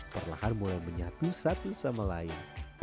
perlahan mulai menyatu satu sama lain